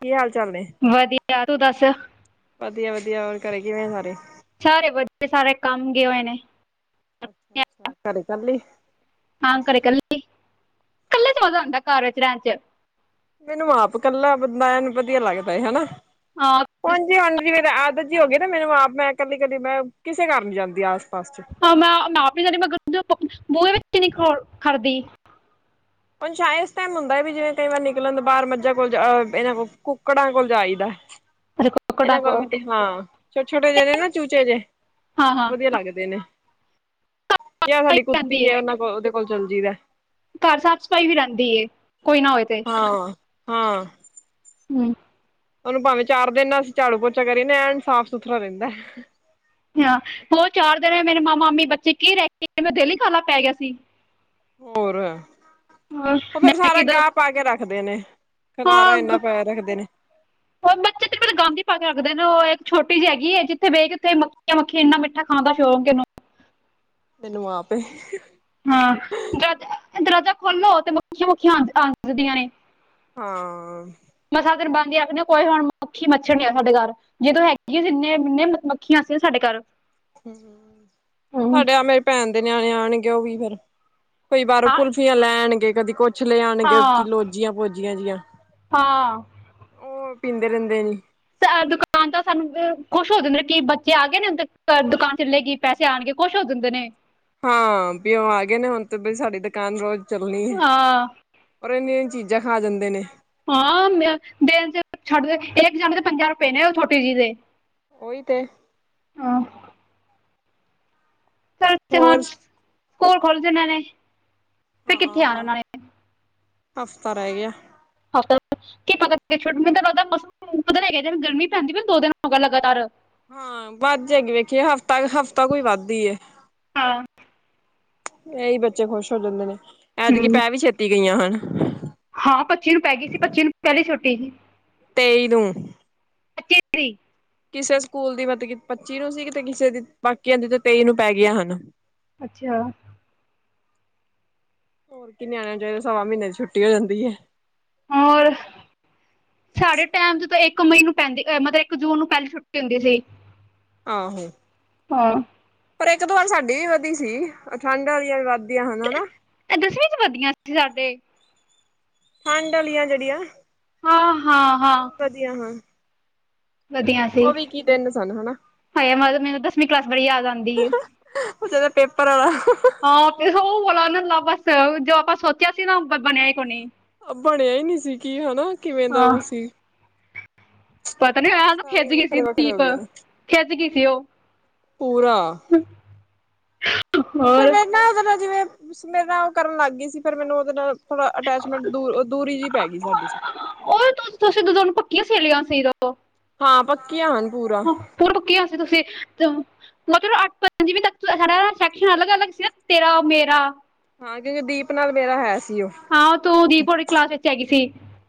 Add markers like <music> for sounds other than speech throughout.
ਕੀ ਹਾਲ ਚਾਲ ਨੇ ਵਧੀਆ ਤੂੰ ਦੱਸ ਵਧੀਆ-ਵਧੀਆ ਹੋਰ ਘਰੇ ਕਿਵੇਂ ਸਾਰੇ। ਸਾਰੇ ਵਧੀਆ ਸਾਰੇ ਕੰਮ ਗਏ ਹੋਏ ਨੇ। ਅੱਛਾ-ਅੱਛਾ ਘਰੇ ਚੱਲੀ। ਹਾਂ ਘਰੇ ਇਕੱਲੇ <unintelligible> ਮੈਨੂੰ ਆਪ ਕੱਲਾ ਬੰਦਾ ਐਨ ਵਧੀਆ ਲੱਗਦਾ ਹੈ ਹੈਨਾ ਹਾਂ ਹਾਂਜੀ-ਹਾਂਜੀ ਆਦਤ ਜੀ ਹੋ ਗਈ ਨਾ ਮੈਨੂੰ ਆਪ ਮੈਂ ਕੱਲੀ-ਕੱਲੀ ਮੈਂ ਕਿਸੇ ਘਰ ਨੀ ਜਾਂਦੀ ਆਸ ਪਾਸ ਚ। ਹਾਂ ਮੈਂ-ਮੈਂ ਆਪਣੀ ਸਾਰੀ ਮੈਂ ਬੂਹੇ ਵਿੱਚ ਤੋ ਨੀ ਖੜਦੀ। ਅੱਛਾ ਇਸ ਟਾਈਮ ਹੁੰਦਾ ਵੀ ਜਿਵੇਂ ਕਈ ਵਾਰ ਨਿਕਲਣ ਦਾ ਬਾਹਰ ਮੱਝਾਂ ਕੋਲ ਇਹਨਾਂ ਕੋਲ ਕੁੱਕੜਾਂ ਕੋਲ ਜਾਈਦਾ। ਅਰੇ ਕੁੱਕੜਾਂ ਇਹਨਾਂ ਕੋਲ ਕੋ ਮੈਂ ਤੇ ਹਾਂ ਛੋਟੇ-ਛੋਟੇ ਜੇ ਨੇ ਨਾ ਚੂਚੇ ਜਿਹੇ ਹਾਂ ਹਾਂ ਵਧੀਆ ਲੱਗਦੇ ਨੇ। ਜਾਂ ਸਫਾਈ ਸਾਡੀ ਕੁੱਤੀ ਰਹਿੰਦੀ ਏ ਹੈ ਉਹਨਾਂ ਕੋਲ ਉਹਦੇ ਕੋਲ ਚਲ ਜਈਦਾ। ਘਰ ਸਾਫ਼ ਸਫ਼ਾਈ ਵੀ ਰਹਿੰਦੀ ਏ, ਕੋਈ ਨਾ ਹੋਵੇ ਤੇ। ਹਾਂ ਹਾਂ ਹੂੰ ਉਹਨੂੰ ਭਾਵੇਂ ਚਾਰ ਦਿਨ ਨਾਲ ਅਸੀਂ ਝਾੜੂ ਪੋਚਾ ਕਰੀਏ ਐਨ ਸਾਫ ਸੁਥਰਾ ਰਹਿੰਦਾ। ਹ ਹੋਰ ਚਾਰ ਦਿਨ ਮੇਰੇ ਮਾਮਾ -ਮਾਮੀ ਬੱਚੇ ਕੀ ਰਹਿ ਕੇ ਗਏ ਮੇਰਾ ਦਿਲ ਈ ਕਾਹਲਾ ਪੈ ਗਿਆ ਸੀ। ਹੋਰ ਹਾਂ, ਉਹ ਫੇਰ ਮੈਂ ਸਾਰਾ ਕਿਦੋਂ ਗਾਹ ਪਾ ਕੇ ਰੱਖਦੇ ਨੇ, ਖਲਾਰਾ ਹਾਂ ਇੰਨਾ ਗ- ਪਾਇਆ ਰੱਖਦੇ ਨੇ। <unintelligible> ਗੰਦ ਈ ਪਾ ਕੇ ਰੱਖਦੇ ਨੇ ਉਹ ਇੱਕ ਛੋਟੀ ਜਿ ਹੈਗੀ ਹੈ ਜਿੱਥੇ ਬਹਿ ਕੇ ਉੱਥੇ ਮੱਖੀਆਂ ਮੱਖੀਆਂ ਇੰਨਾ ਮਿੱਠਾ ਖਾਣ ਦਾ ਸ਼ੌਕ ਐ ਇਹਨੂੰ। ਮੈਨੂੰ ਆ ਪਏ। ਦਰਵਾਜਾ ਖੋਲੋ ਤੇ ਮੱਖੀਆਂ ਮੁੱਖੀਆਂ ਆ ਜਾਂਦੀਆਂ ਨੇ। ਹਾਂ, ਕਹਿੰਦੇ ਆਖਦੇ ਕੋਈ ਹੁਣ ਮੱਖੀ ਮੱਛਰ ਨੀ ਆ ਸਾਡੇ ਘਰ ਜਦੋਂ ਹੈਗੀ ਆ ਜਿੰਨੇ ਇੰਨੇ ਮੱਖੀਆਂ ਸੀ ਸਾਡੇ ਘਰ। ਹੂੰ ਸਾਡੇ ਆ ਮੇਰੇ ਭੈਣ ਦੇ ਨਿਆਣੇ ਆਣਗੇ ਉਹ ਵੀ ਫੇਰ ਕਈ ਬਾਰ ਹਾਂ ਕੁਲਫੀਆਂ ਲੈਣਗੇ ਕਦੀ ਕੁੱਛ ਲੈ ਆਣਗੇ ਕਿ ਹਾਂ ਲੋਜੀਆਂ ਪੋਜੀਆਂ ਜਿਆ ਹਾਂ ਉਹ ਪੀਂਦੇ ਰਹਿੰਦੇ ਨੀ ਅ ਦੁਕਾਨ ਤਾਂ ਸਾਨੂੰ ਖੁਸ਼ ਹੋ ਜਾਂਦੇ ਕਿ ਬੱਚੇ ਆ ਗਏ ਨੇ ਦੁਕਾਨ ਚਲੇਗੀ ਪੈਸੇ ਆਉਣਗੇ ਕੁੱਛ ਹੋ ਜਾਂਦੇ ਨੇ ਹਾਂ ਵੀ ਉਹ ਆ ਗਏ ਨੇ ਹੁਣ ਤੇ ਵੀ ਸਾਡੀ ਦੁਕਾਨ ਰੋਜ਼ ਚੱਲਣੀ ਹੈ ਹਾਂ ਪਰ ਇੰਨੀ ਚੀਜ਼ਾਂ ਖਾ ਜਾਂਦੇ ਨੇ ਹਾਂ ਦਿਨ ਚ ਛੱਡ ਇੱਕ ਜਾਣੇ ਦੇ ਪੰਜਾਹ ਰੁਪਏ ਨੇ ਉਹ ਛੋਟੀ ਜਿਹੀ ਦੇ ਓਹੀ ਤੇ ਹਾਂ ਸੱਚ ਹੋਰ <unintelligible> ਸਕੂਲ ਖੁੱਲ ਜਣੇ ਨੇ ਫਿਰ ਕਿੱਥੇ ਆਣਾ ਹਾਂ ਉਹਨਾਂ ਨੇ ਹਫ਼ਤਾ ਰਹਿ ਗਿਆ <unintelligible> ਮੌਸਮ ਗਰਮੀ ਪੈਂਦੀ ਦੋ ਦਿਨ ਹੋਗਾ ਲਗਾਤਾਰ ਹਾਂ ਵੱਧ ਜਾਗੀ ਵੇਖੀਏ ਹਫ਼ਤਾ ਹਫ਼ਤਾ ਕੋਈ ਵੱਧ ਦੀ ਐ ਹਾਂ ਇਹੀ ਬੱਚੇ ਖੁਸ਼ ਹੋ ਜਾਂਦੇ ਨੇ ਐਤਕੀ ਹਮ ਪੈ ਵੀ ਛੇਤੀ ਗਈਆਂ ਹਨ ਤੇ ਤੇਈ ਨੂੰ <unintelligible> ਕਿਸੇ ਸਕੂਲ ਦੀ ਮਤਲਬ ਕਿ ਪੱਚੀ ਨੂੰ ਸੀ ਤੇ ਕਿਸੇ ਦੀ ਬਾਕੀਆਂ ਦੀ ਤੇ ਤੇਈ ਨੂੰ ਪੈ ਗਿਆ ਹਨ ਅੱਛਾ ਹੋਰ ਕੀ ਨਿਆਣਿਆਂ ਨੂੰ ਚਾਹੀਦਾ ਸਵਾ ਮਹੀਨੇ ਦੀ ਛੁੱਟੀ ਹੋ ਜਾਂਦੀ ਹੈ ਹੋਰ ਸਾਡੇ ਟਾਈਮ ਚ ਤਾਂ ਇੱਕ ਮਈ ਨੂੰ ਪੈਂਦੀ ਮਤਲਬ ਇੱਕ ਜੂਨ ਨੂੰ ਪਹਿਲਾਂ ਛੁੱਟੀ ਹੁੰਦੀ ਸੀ ਆਹੋ ਹਾਂ ਪਰ ਇੱਕ ਦੋ ਵਾਰ ਸਾਡੀ ਵੀ ਵਧੀ ਸੀ ਠੰਡ ਵਾਲਆ ਵੀ ਵੱਧਦੀਆਂ ਹਨ ਹਨਾ ਇਹ ਦਸਵੀਂ ਚ ਵਧੀਆ ਸੀ ਸਾਡੇ ਠੰਡ ਵਾਲੀਆਂ ਜਿਹੜੀਆਂ ਹਾਂ ਹਾਂ, ਉਹ ਹਾਂ। ਵੀ ਵਧੀਆ ਹਨ ਵਧੀਆ ਸੀ ਉਹ ਵੀ ਕੀ ਦਿਨ ਸਨ ਹਨਾ ਹਾਏ ਮੈਨੂੰ ਦਸਵੀਂ ਕਲਾਸ ਬੜੀ ਯਾਦ ਆਂਦੀ ਐ। ਉਹ ਜਦੋਂ ਪੇਪਰ ਵਾਲਾ। ਹਾਂ ਉਹ <unintelligible> ਜੋ ਆਪਾਂ ਸੋਚਿਆ ਸੀ ਨਾ ਬਣਿਆ ਈ ਕੋਣੀ ਬਣਿਆ ਹੀ ਨਹੀਂ ਸੀ ਕਿ ਹਨਾ ਕਿਵੇਂ ਦਾ ਹਾਂ ਉਹ ਸੀ ਪਤਾ ਨੀ ਹੋਇਆ ਖਿਜ ਸਾਰੇ ਗਈ ਸੀ ਵੱਖਰੇ ਵੱਖਰੇ ਹੋ ਦੀਪ ਗਏ ਨੇ ਖਿਜ ਗਈ ਸੀ ਉਹ ਪੂਰਾ ਹੋਰ ਫਿਰ ਮੇਰੇ ਨਾ ਉਹਦੇ ਨਾਲ ਜਿਵੇਂ ਮੇਰੇ ਨਾਲ ਉਹ ਕਰਨ ਲੱਗ ਗਈ ਸੀ ਫਿਰ ਮੈਨੂੰ ਉਹਦੇ ਨਾਲ ਥੋੜਾ ਅਟੈਚਮੈਂਟ ਦੂਰ ਦੂਰੀ ਜਿਹੀ ਪੈ ਗਈ ਸਾਡੇ ਚ ਕੀ ਸਹੇਲੀਆਂ ਹਾਂ ਪੱਕੀਆਂ ਹਨ ਪੂਰਾ <unintelligible> ਕਿਹਾ ਸੀ ਤੁਸੀਂ <unintelligible> ਚ ਅੱਠ ਪੰਜਵੀਂ ਤੱਕ ਸਾਡਾ ਸੈਕਸ਼ਨ ਅਲੱਗ ਅਲੱਗ ਸੀ ਨਾ ਤੇਰਾ ਮੇਰਾ ਹਾਂ ਕਿਉਂਕਿ ਦੀਪ ਨਾਲ ਮੇਰਾ ਹੈ ਸੀ ਉਹ ਹਾਂ ੳ ਤੂੰ ਦੀਪ ਹੋਰੀ ਕਲਾਸ ਚ ਹੈਗੀ ਸੀ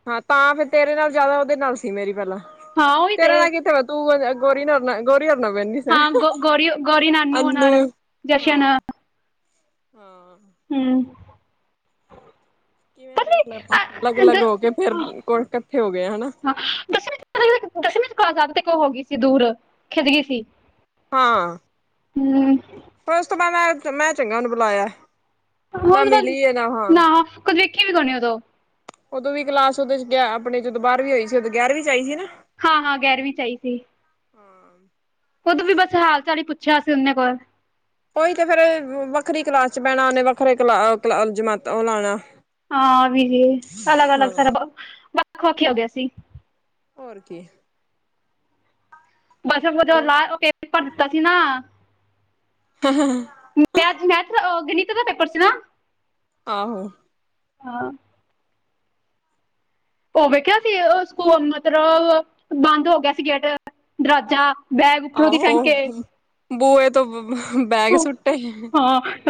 ਹਾਂ ਤਾਂ ਫੇਰ ਤੇਰੇ ਨਾਲ ਜਿਆਦਾ ਉਹਦੇ ਨਾਲ ਸੀ ਮੇਰੀ ਪਹਿਲਾਂ, ਹਾਂ ਉਹੀ ਤੇ ਤੇਰੇ ਨਾਲ ਕਿੱਥੇ ਤੂੰ <unintelligible> ਗੋਰੀ ਨੇ <unintelligible> ਗੋਰੀ ਔਰ ਨਾਲ ਬੈਨੀ ਸੇ, ਹਾਂ ਗੋ- ਗੌਰੀ ਗੌਰੀ ਨਾਨੂ ਅਨੂੰ, ਔਰ ਹਾਂ ਹਾਂ ਹੂੰ ਕਿਵੇਂ ਵੇਖ ਲੈ ਆਪਾਂ ਲੱਗ ਲੱਗ ਹੋ ਕੇ ਫੇਰ ਕੋਲ ਇਕੱਠੇ ਹੋ ਗਏ ਹੈਨਾ <unintelligible> ਤੇ ਕਉ ਹੋ ਗੀ ਸੀ ਦੂਰ ਖਿੱਜ ਗੀ ਸੀ ਹਾਂ ਹੂੰ ਪਰ ਉਸ ਤੋਂ ਬਾਅਦ ਮੈਂ ਮੈਂ ਚੰਗਾ ਬੁਲਾਇਆ ਨਾ ਮਿਲੀ ਹੈ <unintelligible> ਹਾਂ ਨਾ ਕੁਝ ਵੇਖੀ <unintelligible> ਉਦੋਂ ਵੀ ਕਲਾਸ ਉਹਦੇ ਚ <unintelligible> ਆਪਣੀ ਜਦੋਂ ਬਾਰ ਵੀ ਹੋਈ ਸੀ ਉਦੋਂ ਗਿਆਰਵੀ ਚ ਆਈ ਸੀ ਨਾ। ਹਾਂ ਹਾਂ, ਗਿਆਰਵੀ ਚ ਆਈ ਸੀ। ਓਦੋ ਵੀ ਬਸ ਹਾਲ ਚਾਲ ਈ ਪੁੱਛਿਆ ਸੀ <unintelligible> ਕੋਲ ਉਹੀ ਤੇ ਫੇਰ ਵੱਖਰੀ ਕਲਾਸ ਚ ਬਹਿਣਾ ਉਹਨੇ ਵੱਖਰੇ ਕਲਾ ਜਮਾਤਾ ਉਹ ਲਾਉਣਾ। ਹਾਂ ਆ ਵੀ ਸੀ, ਅਲੱਗ ਅਲੱਗ ਸਾਰਾ ਵੱਖ ਵਖੋ ਵੱਖੀ ਹੋ ਗਿਆ ਸੀ। ਹੋਰ ਕੀ। ਬਸ <unintelligible> ਭਰ ਦਿੱਤਾ ਸੀ ਨਾ। <unintelligible> ਤੇਰਾ ਪੇਪਰ ਸੀ ਨਾ। ਆਹੋ। ਹਾਂ। ਉਹ ਵੇਖਿਆ ਸੀ ਉਹ ਸਕੂਲ ਮਤਲਬ ਬੰਦ ਹੋ ਗਿਆ ਸੀ ਗੇਟ ਦਰਵਾਜਾ। ਬੈਗ ਉੱਪਰੋਂ ਦੀ ਫੇਂਕੇ। ਬੂਏ ਤੋਂ ਬੈਗ ਸੁੱਟੇ।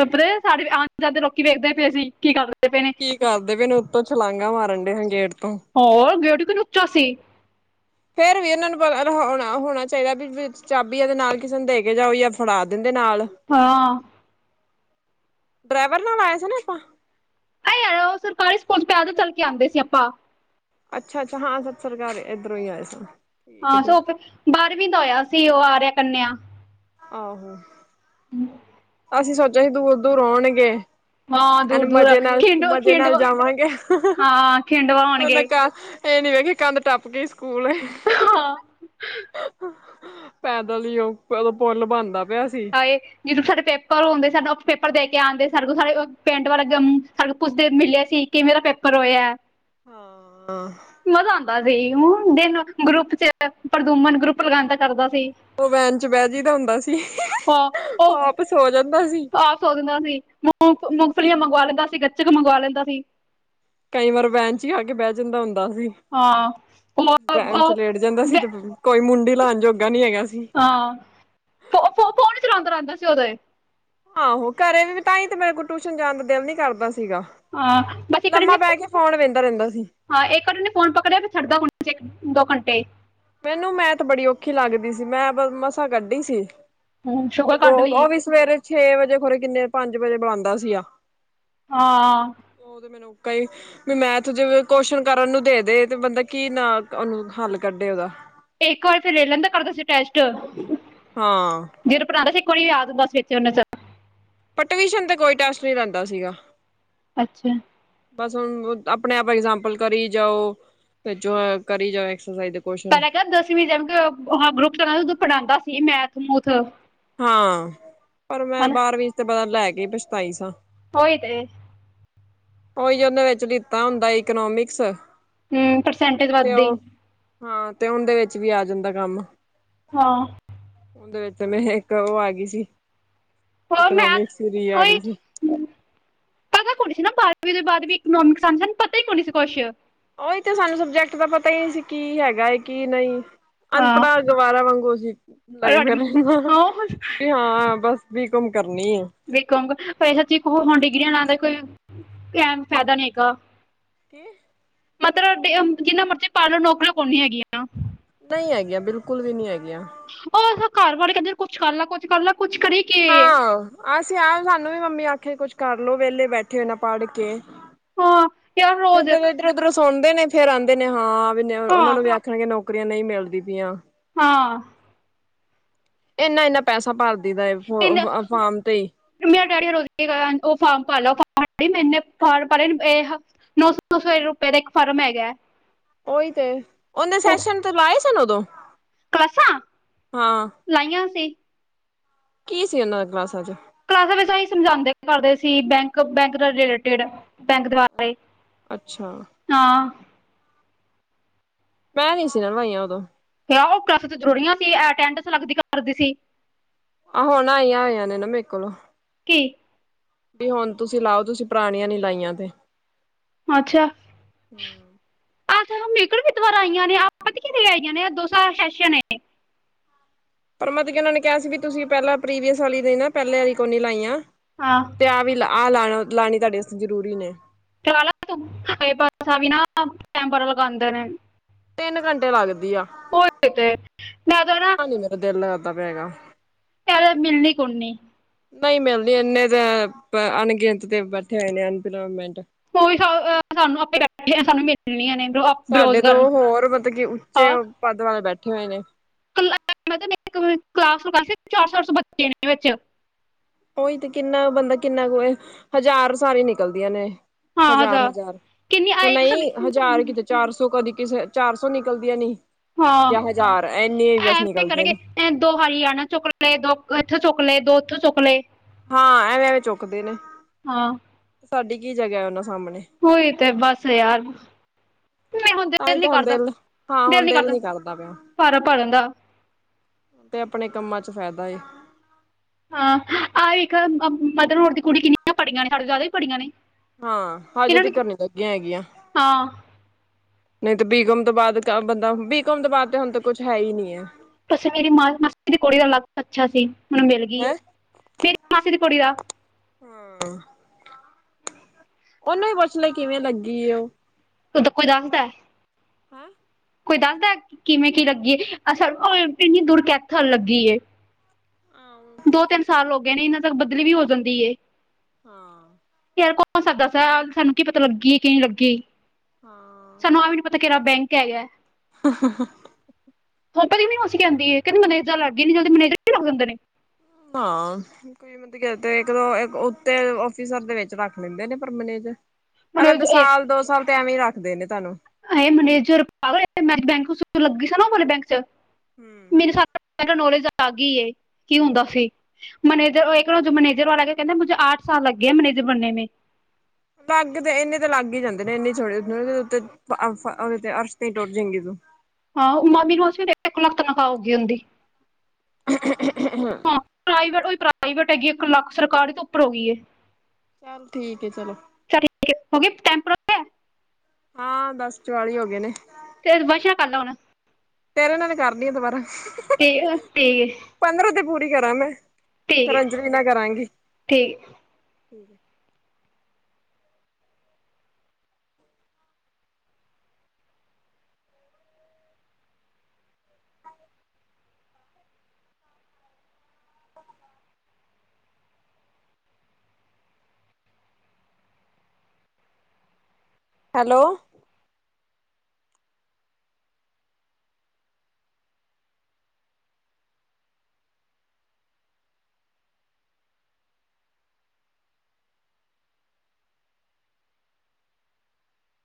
ਉਪਰੇ ਸਾਡੇ <unintelligible> ਆਨ ਜਾਦ ਲੋਕੀ ਵੇਖਦੇ ਪੇ ਸੀਂ ਕੀ ਕਰ ਕੀ ਕਰਦੇ ਪਏ ਨੇ ਉੱਤੋਂ ਛਲਾਂਘਾ ਮਾਰਨ ਡੇ ਗੇਟ ਤੋਂ ਹੋਰ ਗੇਟ ਕਿੰਨਾ ਉੱਚਾ ਸੀ। ਫੇਰ ਵੀ ਉਨਾਂ ਨੂੰ ਪਤਾ ਹੋਣਾ ਹੋਣਾ ਚਾਹੀਦੇ ਵੀ ਵੀ ਚਾਬੀ ਏਦੇ ਨਾਲ ਕਿਸੇ ਨੂੰ ਦੇ ਕੇ ਜਾਓ ਜਾ ਫੜਾ ਦਿੰ ਹਾਂ, ਡਰਾਈਵਰ ਨਾਲ ਆਏ ਸੀ ਨਾ ਆਪਾਂ। ਅਰੇ ਯਾਰ ਉਹ ਸਰਕਾਰੀ ਸਕੂਲ ਚ ਪੈਦਲ ਚੱਲ ਕੇ ਆਂਦੇ ਸੀ ਆਪਾਂ। ਅੱਛਾ ਅੱਛਾ, ਹਾਂ, ਸੱਚ ਸਰਕਾਰੀ ਏਧਰੋਂ ਈ ਆਏ ਸੀ। ਹਾਂ, ਸੋ ਬਾਰਵੀਂ ਦਾ ਹੋਇਆ ਸੀ ਉਹ ਆਰਿਆ ਕੰਨਿਆ। ਆਹੋ। ਹੂੰ, ਅਸੀਂ ਸੋਚਿਆ ਸੀ ਦੂਰ ਦੂਰ ਹੋਣਗੇ। ਹਾਂ ਐਨ ਦੂਰ ਦੂਰ ਮਜ਼ੇ ਨਾਲ ਖਿੰਡ ਮਜ਼ੇ ਨਾਲ ਖਿੰਡਵਾ ਜਾਵਾਂਗੇ ਹਾਂ ਖਿੰਡਵਾ ਉਨ ਹੋਣਗੇ ਕ ਇਹ ਨੀ ਵੇਖੀ ਕੰਧ ਟੱਪ ਕੇ ਸਕੂਲ ਹਾਂ ਪੈਦਲ ਈ ਉਹ ਉਦੋਂ ਪੁੱਲ ਬਣਦਾ। ਪਿਆ ਸੀ ਹਾਏ ਜਦੋਂ ਸਾਡੇ ਪੇਪਰ ਹੁੰਦੇ ਸਾਡਾ <unintelligible> ਪੇਪਰ ਦੇ ਕੇ ਆਂਦੇ ਸਾਡੇ ਤੋ ਸਾਰੇ ਪਿੰਡ ਵਾਲੇ ਜਮ ਸਾਡੇ ਕੁੱਛਦੇ ਮਿਲਿਆ ਸੀ ਕਿਵੇ ਦਾ ਪੇਪਰ ਹੋਇਆ। ਹਾਂ, ਮਜ਼ਾ ਆਂਦਾ ਦਿਨ ਗਰੁੱਪ ਚ ਪ੍ਰਦੂਮਨ ਗਰੁੱਪ ਲਗਾਦਾ ਸਰ ਦਾ ਉਹ ਵੈਨ ਚ ਬਹਿ ਜੀ ਦਾ ਹੁੰਦਾ ਸੀ। ਹਾਂ, ਉਹ ਆਪ ਸੋ ਜਾਂਦਾ ਸੀ ਪਾਸ ਹੋ ਜਾਂਦਾ ਸੀ। ਮੁਫਲੀਆਂ ਮੰਗਵਾ ਲੈਂਦਾ ਸੀ ਗੱਚਕ ਮੰਗਵਾ ਲੈਂਦਾ ਸੀ। ਕਈ ਵਾਰ ਵੈਨ ਚ ਹੀ ਆ ਕੇ ਬਹਿ ਜਾਂਦਾ ਹੁੰਦਾ ਸੀ। ਹਾਂ ਉਹ ਬੈਂਚ ਲੇਟ ਜਾਂਦਾ ਸੀ ਤੇ ਕੋਈ ਮੁੰਡੀ ਲਾਹਨ ਜੋਗਾ ਨੀ ਹੈਗਾ ਸੀ। ਫ ਫ ਫੋਨ ਚਲਾਂਦਾ ਰਹਿੰਦਾ ਸੀ ਉਹ ਤੇ ਆਹੋ ਘਰੇ ਵੀ ਤਾਂਹੀ ਤੇ ਮੇਰੇ ਕੋਈ ਟਿਊਸ਼ਨ ਜਾਣ ਦਾ ਦਿਲ ਨੀ ਕਰਦਾ ਸੀਗਾ ਹਾਂ ਬਸ ਇੱਕ ਲੰਮਾ ਨੇ ਪੈ ਕੇ ਫੋਨ ਵੇਖਦਾ ਰਹਿੰਦਾ ਸੀ ਹਾਂ, ਇੱਕ ਅਰੀ ਓਨੇ ਫੋਨ ਪਕੜਿਆ ਤੇ ਛੱਡਦਾ ਕੋਣੀ ਇੱਕ ਦੋ ਘੰਟੇ। ਮੈਨੂੰ ਮੈਂਥ ਤੇ ਬੜੀ ਔਖੀ ਲੱਗਦੀ ਸੀ ਮੈਂ ਮਸਾਂ ਕੱਢੀ ਸੀ ਸ਼ੂਗਰ ਅਗੋ ਕੱਢ ਉਹ ਲਈਏ ਵੀ ਸਵੇਰੇ ਛੇ ਵਜੇ ਖਰੇ ਕਿੰਨੇ ਪੰਜ ਵਜੇ ਬੁਲਾਉਂਦਾ ਸੀ ਗਾ ਹਾਂ। ਕਈ ਵੀ ਮੈਥ ਜਿਵੇਂ ਕੋਸ਼ਨ ਕਰਨ ਨੂੰ ਦੇ-ਦੇ ਤੇ ਬੰਦਾ ਕੀ ਨਾ ਉਹਨੂੰ ਹੱਲ ਕੱਢੇ ਉਹਦਾ ਇੱਕ ਵਾਰ ਫੇਰ ਲੈ ਲੈਂਦਾ ਕਰਦਾ ਸੀ ਟੈਸਟ ਹਾਂ, ਕੋਈ ਯਾਦ <unintelligible> ਪਰ ਟਵਿਸ਼ਨ ਤੇ ਕੋਈ ਟੈਸਟ ਨਹੀਂ ਲੈਂਦਾ ਸੀਗਾ ਅੱਛਾ ਬਸ ਹੁਣ ਆਪਣੇ ਆਪ ਇਗਜਾਂਪਲ ਕਰੀ ਜਾਓ ਕਰੀ ਜਾਏ। ਪਹਿਲਾਂ ਕਹਿ ਦਸਵੀਂ ਜੀ ਗਰੁੱਪ ਚ ਸੀ ਉਦੋਂ ਪੜ੍ਹਾਂਦਾ ਸੀ ਮੈਥ ਮੂਥ ਹਾਂ ਪਰ ਮੈਂ ਬਾਰਵੀਂ ਤੇ ਪਤਾ ਲੈ ਕੇ ਪਛਤਾਈ ਸਾਂ ਹੋਈ ਤੇ ਉਹੀ ਉਹਦੇ ਵਿੱਚ ਲਿੱਤਾ ਹੁੰਦਾ ਇਕਨੋਮਿਕਸ ਹੂੰ ਪਰਸੈਂਟੇਜ ਤੇ ਵੱਧਦੀ ਐ ਉਹ ਹਾਂ ਤੇ ਹੁਣ ਦੇ ਵਿੱਚ ਵੀ ਆ ਜਾਂਦਾ ਕੰਮ ਹਾਂ। ਉਹਦੇ ਵਿੱਚ ਮੈਂ ਇੱਕ ਉਹ ਆ ਗਈ ਸੀ। ਹੋਰ ਇਕਨੋਮਿਕ ਮੈਥ ਵੀ ਰੀ ਆ ਗਈ ਉਹੀ ਸੀ। ਉਹਦੇ ਬਾਅਦ ਵੀ ਇਕੋਨੋਮਿਕ ਸਾਨੂੰ ਪਤਾ ਹੀ ਨੀ ਸੀ ਕੁਛ। ਉਹੀ ਤੇ ਸਾਨੂੰ ਸਬਜੈਕਟ ਦਾ ਪਤਾ ਹੀ ਨਹੀਂ ਸੀ ਕੀ ਹੈਗਾ ਕੀ ਨਹੀਂ। ਹਾਂ ਅਨਪੜਾ ਗਵਾਰਾਂ ਵਾਂਗੂ ਅਸੀ ਲੱਗੇ ਫਿਰ ਅਡਮੀ ਰਹਿੰਦਾ ਹਾਂ ਹੁਣ ਵੀ ਹਾਂ ਬਸ ਬੀ ਕੋਮ ਕਰ ਵਾਸੇ ਸਾਚ ਹੁਣ ਡਿਗਰੀਆਂ ਲਾਦਾ ਕੋਈ ਕੈਣ ਫਾਇਦਾ ਨਹੀਂ ਗਾ ਮਤਲਬ ਜਿੰਨਾ ਮਰਜ਼ੀ ਪਾੜਲੋ ਨੌਕਰੀਆਂ ਕੋਈ ਨਹੀ ਹੈਗੀਆਂ। ਨਹੀਂ ਹੈਗੀਆਂ ਬਿਲਕੁਲ ਵੀ ਨਹੀਂ ਹੈਗੀਆਂ। ਉਹ ਸਾ ਘਰ ਵਾਲੇ ਕਹਿੰਦੇ ਕੁੱਛ ਕਰਲੋ ਕੁੱਛ ਕਰ ਲ ਹਾਂ ਅਸੀਂ ਆਪ ਸਾਨੂੰ ਵੀ ਮੰਮੀ ਆਖੇ ਕੁਛ ਕਰਲਓ ਵਿਹਲੇ ਬੈਠੇ ਹੋ ਐਨਾ ਪੜ੍ਹ ਕੇ ਹਾਂ ਯਾਰ ਫੇਰ ਰੋਜ਼ ਜਦੋਂ ਇੱਧਰੋਂ ਉੱਧਰੋਂ ਸਣਦੇ ਨੇ ਫੇਰ ਆਦੇ ਨੇ ਹਾਂ ਵੀ ਉਹਨਾਂ ਹਾਂ ਨੂੰ ਵੀ ਆਖਣਗੇ ਨੌਕਰੀਆਂ ਨਹੀਂ ਮਿਲਦੀ ਪਈਆਂ ਹਾਂ। ਇਨਾ-ਇਨਾ ਪੈਸਾ ਭਰਦਿਆ ਫ ਇੰਨ ਫਾਰਮ ਤੇ ਹੀ ਮੇਰਾ ਡੈਡੀ ਰੋਜ਼ ਉਹ ਫਾਰਮ ਭ ਲੈ ਫਾਰ ਮੈਨੇ ਫਾਰਮ ਭੇ ਇਹ ਨੌ ਸੌ- ਸੌ ਰੁਪਏ ਦਾ ਇੱਕ ਫਾਰਮ ਹੈਗਾ। ਉਹੀ ਤੇ ਉਹਦੇ ਉਹ ਸੈਸ਼ਨ ਤੇ ਲਾਏ ਸਨ ਉਦੋਂ? ਕਲਾਸਾਂ ਹਾਂ ਲਾਈਆਂ ਸੀ, ਕੀ ਸੀ ਉਹਨਾਂ ਦੇ ਕਲਾਸਾਂ ਚ ਕਲਾਸਾਂ ਵਿੱਚ ਅਸੀਂ ਸਮਝਾਦੇ ਕਰਦੇ ਸੀ ਬੈਂਕ ਬੈਂਕ ਦੇ ਰਿਲੇਟਿਡ ਬੈਂਕ ਅੱਛਾ ਹਾਂ। ਮੈਂ ਨੀ ਸੀ ਨਾ ਨਵਾਈਆਂ ਉਦੋਂ ਕ ਉਹ ਕਲਾਸਾਂ ਤੇ ਜੂੜੀਆਂ ਸੀ ਅਟੈਡਸ ਲੱਗਦੀ ਕਰਦੀ ਸੀ। ਆਹੋ ਹੁਣ ਆਈਆਂ ਆਇਆਂ ਨੇ ਨਾ ਮੇਰੇ ਕੋਲੋਂ ਕੀ ਵੀ ਹੁਣ ਤੁਸੀਂ ਲਓ ਤੁਸੀਂ ਪੁਰਾਣੀਆਂ ਨੀ ਲਾਈਆਂ ਤੇ ਅੱਛਾ। ਅ ਹਮੇਕਲਦਵ ਆਈਆਂ ਨੇ ਆਪਤੀ ਆਈਆਂ ਨੇ ਦੁਸਰਾ ਸੈਸ਼ਨ ਨੇ ਪਰ ਮਤਲਬ ਕੀ ਉਹਨਾਂ ਨੇ ਕਿਹਾ ਸੀ ਵੀ ਤੁਸੀਂ ਪਹਿਲਾਂ ਪ੍ਰੀਵੀਅਸ ਵਾਲੀ ਦੇ ਨਾ ਪਹਿਲੇ ਵਾਲੀ ਕੋਨੀ ਲਾਈਆਂ ਹਾਂ ਤੇ ਆਹ ਵੀ ਆਹ ਲਾਣਾ ਲਾਣੀ ਤੁਹਾਡੇ ਵਾਸਤੇ ਜ਼ਰੂਰੀ ਐ ਚ ਤੂੰ ਪਾਸਾ ਵੀ ਨਾ ਟੈਮ ਲਗਾਦੇ ਨੇ, ਤਿੰਨ ਘੰਟੇ ਲੱਗਦੀ ਆ ਹੋਏ ਤੇ ਮੈਂ ਤਾਂ ਮੇਰਾ ਦਿਲ ਲੱਗਦਾ। ਪਿਆ ਹੈਗਾ। ਚੱਲ ਮਿਲਣੀ ਕੋਨੀ ਨਹੀਂ ਮਿਲਦੀ ਇੰਨੇ ਤਾਂ ਅਣਗਿਣਤ ਤੇ ਬੈਠੇ ਹੋਏ ਨੇਮੈਂਟ, ਉਹ ਵੀ ਸ ਸਾਨੂੰ ਆਪੇ ਕੱਠਿਆ ਸਾਨੂੰ ਮਿਲਣੀਆਂ ਨੇ ਬਰੋ ਸਾਡੇ ਬਰੋਜ਼ ਤੋਂ ਕਰਨ ਹੋਰ ਮਤਲਬ ਕੀ ਉੱਚੇ ਪਦ ਵਾਲੇ ਬੈਠੇ ਹੋਏ ਨੇ, ਕਲਾਸੂ ਚਾਰ-ਚਾਰ ਸੌ ਬੱਚੇ ਨੇ ਵਿੱਚ, ਉਹੀ ਤੇ ਕਿੰਨਾ ਬੰਦਾ ਕਿੰਨਾ ਕੁ ਹਜ਼ਾਰ ਸਾਰੀ ਨਿਕਲਦੀਆਂ ਨੇ ਹਜ਼ਾਰ ਹਜ਼ਾਰ ਕਿੰਨੀ ਆ ਇੱਕ ਸੌ ਨਹੀਂ ਹਜ਼ਾਰ ਕਿਤੇ ਚਾਰ ਸੌ ਕਦੀ ਕਿਸੇ ਚਾਰ ਸੌ ਨਿਕਲਦੀਆਂ ਨੀ ਹਾਂ, ਜਾਂ ਹਜ਼ਾਰ ਇੰਨੀ ਬਸ ਐਵੇਂ ਨਿਕਲਦੀਆਂ ਨੇ ਕਰਾਂਗੇ ਦੋ ਹਰਿਆਣਾ ਚੁੱਕੇ ਦੋ ਇੱਥੇ ਚੁ ਲੇ ਦੋ ਉੱਥੋਂ ਚੁੱਕਲੇ ਹਾਂ ਐਵੇਂ ਐਵੇਂ ਚੁੱਕਦੇ ਨੇ ਸਾਡੀ ਕੀ ਜਗ੍ਹਾ ਉਹਨਾਂ ਸਾਹਮਣੇ ਉਈ ਤੇ ਬਸ ਯਾਰ ਨਹੀਂ ਹੁਣ ਤਾਂ ਹੀ ਦਿਲ ਤਾਂ ਨੀ ਹੁਣ ਕਰਦਾ ਦਿਲ ਹਾਂ ਦਿਲ ਹੁਣ ਨੀ ਕਰਦਾ ਪਿਆ। ਫਾਰਮ ਭਰਨ ਦਾ ਤੇ ਆਪਣੇ ਕੰਮਾਂ ਚ ਫਾਇਦਾ ਹਾਂ ਆਹ ਵੇਖ ਮਦਰ ਹੋਰ ਦੀ ਕੁੜੀ ਕਿੰਨੀਆਂ ਪੜ੍ਹੀਆਂ ਨੇ ਸਾਡੇ ਜ਼ਿਆਦਾ ਹੀ ਪੜੀਆਂ ਨੇ ਹਾਂ ਹਜੇ ਇਹਨਾਂ ਤੇ ਨੂੰ ਕਰਨੀ ਲੱਗ ਹੈਗੀਆਂ ਹਾਂ ਨਹੀਂ ਤੇ ਬੀਕਮ ਤੋਂ ਬਾਅਦ ਬੰਦਾ ਬੀਕਮ ਤੋਂ ਬਾਅਦ ਤੇ ਹੁਣ ਤਾਂ ਕੁਛ ਹੈ ਹੀ ਨਹੀਂ ਹੈ ਬਸ ਮੇਰੀ ਮਾ ਮਾਸੀ ਦੀ ਕੁੜੀ ਦਾ ਲੱਕ ਅੱਛਾ ਸੀ ਓਹਨੂੰ ਮਿਲ ਗਈ ਹੈਂ ਮੇਰੀ ਮਾਸੀ ਦੀ ਕੁੜੀ ਦਾ ਹੂੰ ਉਹਨੂੰ ਹੀ ਪੁੱਛ ਲੈ ਕਿਵੇਂ ਲੱਗੀ ਉਹ ਉਹ ਤਾਂ ਕੋਈ ਦੱਸਦਾ ਹੈਂ ਕੋਈ ਦੱਸਦਾ ਕਿਵੇਂ ਕੀ ਲੱਗੀ ਅ ਇੰਨੀ ਦੂਰ ਕੈਥਲ ਲੱਗੀ ਹਾਂ ਦੋ ਤਿੰਨ ਸਾਲ ਹੋ ਗਏ ਨੇ ਇਹਨਾਂ ਤੱਕ ਬਦਲੀ ਵੀ ਹੋ ਜਾਂਦੀ ਐ ਹਾਂ। ਯਾਰ ਕੌਣ ਸਕਦਾ ਸਾ ਸਾਨੂੰ ਕੀ ਪਤਾ ਲੱਗੀ ਕਿ ਨਹੀਂ ਲੱਗੀ ਸਾਨੂੰ ਆਹ ਵੀ ਨੀ ਪਤਾ ਕਿਹੜਾ ਬੈਂਕ ਹੈਗਾ <unintelligible> ਪਤਾ ਨਹੀਂ ਮਾਸੀ ਕਹਿੰਦੀ ਏ ਕਹਿੰਦੀ ਮਨੇਜਰ ਲਾਗੀ ਐਨੀ ਜਲਦੀ ਮੈਨੇਜਰ ਵੀ ਲੱਗ ਜਾਂਦੇ ਨੇ ਹਾਂ <unintelligible> ਇੱਕ ਉੱਤੇ ਆਫਿਸਰ ਦੇ ਵਿੱਚ ਰੱਖ ਲੈਂਦੇ ਨੇ ਪਰ ਮੈਨੇਜਰ ਹਨਾ ਤੇ ਮੈਨੇਜਰ ਸਾਲ ਦੋ ਸਾਲ ਤੇ ਐਵੇਂ ਹੀ ਰੱਖਦੇ ਨੇ ਤੁਹਾਨੂੰ ਇਹ ਮੈਨੇਜਰ ਬੈਂਕ ਲੱਗੀ ਸੀ ਨਾ ਵਾਲੇ ਬੈਂਕ ਚ ਹੂੰ ਸਾਡਾ ਨੌਲੇਜ ਅਲੱਗ ਹੀ ਕੀ ਹੁੰਦਾ ਸੀ ਮਨੇਜਰ ਇੱਕੋ ਮਨੇਜਰ ਵਾਲਾ ਕਹਿੰਦੇ ਮੁਝੇ ਆਠ ਸਾਲ ਲੱਗ ਗਿਆ ਮਨੈਜਰ ਬਣਨੇ ਮੈ ਲੱਗ ਤੇ ਇੰਨੇ ਤੇ ਲੱਗ ਹੀ ਜਾਂਦੇ ਨੇ ਇੰਨੇ ਛੋੜੇ ਉਹਦੇ ਤੇ ਅਰਸ਼ ਹੀ ਟੁੱਟ ਜਾਂਗੀ ਤੂੰ, ਹਾਂ ਮਾਮੀ ਨੂੰ ਲੱਖ ਲਖਾਓਗੀ ਔਦੀ ਪ੍ਰਾਈਵੇਟ ਓਹੀ ਪ੍ਰਾਈਵੇਟ ਹੈਗੀ ਇੱਕ ਲੱਖ ਸਰਕਾਰੀ ਤੋਂ ਉੱਪਰ ਹੋ ਗਈ ਚੱਲ ਠੀਕ ਹੈ ਚਲੋ ਅੱ ਹਾਂ ਦਸ ਚੋਆਲੀ ਹੋ ਗਏ ਨੇ ਫਿਰ <unintelligible> ਤੇਰੇ ਨਾਲ ਹੀ ਕਰਦੀ ਆ ਦੁਬਾਰਾ ਠੀਕ ਠੀਕ ਪੰਦਰੋਂ ਤੇ ਪੂਰੀ ਕਰਾਂ ਮੈਂ ਫਿਰ ਠੀਕ ਅੰਜਲੀ ਨਾ ਕਰਾਂਗੀ ਠੀਕ ਹੈਲੋ